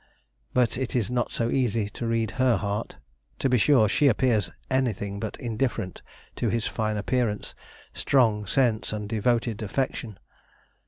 But it is not so easy to read her heart. To be sure, she appears anything but indifferent to his fine appearance, strong sense, and devoted affection.